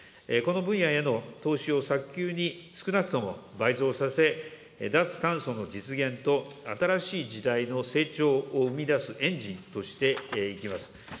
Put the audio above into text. この分野への投資を早急に、少なくとも倍増させ、脱炭素の実現と新しい時代の成長を生み出すエンジンとしていきます。